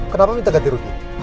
kenapa minta ganti rugi